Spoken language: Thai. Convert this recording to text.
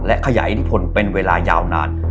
ขยายอิทธิพลเป็นเวลายาวนาน